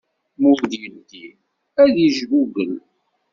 Ma ur d-yeddi ad yejgugel.